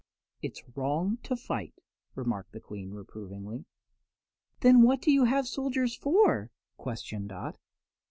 "It's wrong to fight," remarked the Queen, reprovingly. "Then what do you have soldiers for?" questioned Dot.